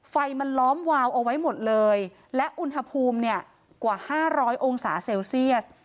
ไฟมันล้อมวาวเอาไว้หมดเลยและอุณหภูมิเนี่ยกว่า๕๐๐องศาเซลเซียส